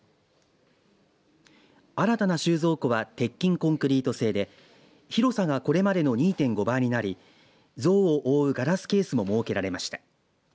新たな収蔵庫は鉄筋コンクリート製で広さがこれまでの２．５倍になり像を覆うガラスケースも設けられました。